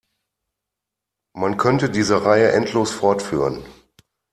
Man könnte diese Reihe endlos fortführen.